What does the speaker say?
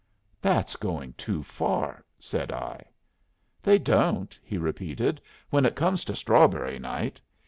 "That's going too far," said I. "They don't," he repeated, "when it comes to strawberry night.